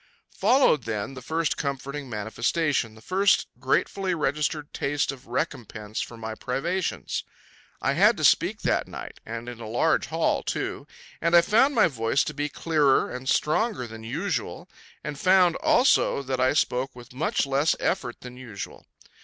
Followed then the first comforting manifestation, the first gratefully registered taste of recompense for my privations. I had to speak that night and in a large hall, too, and I found my voice to be clearer and stronger than usual, and found, also, that I spoke with much less effort than usual.